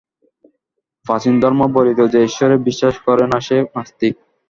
প্রাচীন ধর্ম বলিত যে ঈশ্বরে বিশ্বাস করে না, সে নাস্তিক।